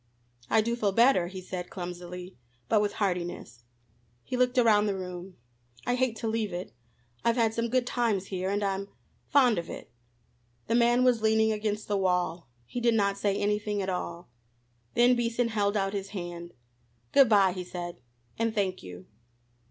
"I do feel better," he said clumsily, but with heartiness. He looked around the room. "I hate to leave it. I've had some good times here, and I'm fond of it." The man was leaning against the wall. He did not say anything at all. Then Beason held out his hand. "Good bye," he said, "and thank you."